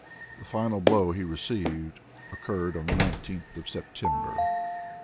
The final blow he received occurred on the 19th of September.